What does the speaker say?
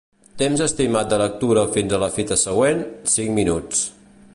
Temps estimat de lectura fins a la fita següent: cinc minuts.